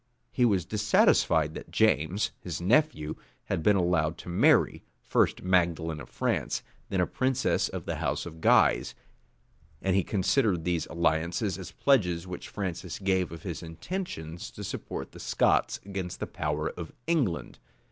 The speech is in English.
He was dissatisfied that James, his nephew, had been allowed to marry, first Magdalene of France, then a princess of the house of Guise; and he considered these alliances as pledges which Francis gave of his intentions to support the Scots against the power of England.